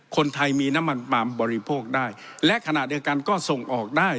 คนไทยมีน้ำมันปลามบริโภคได้และขณะเดียวกันก็ส่งออกได้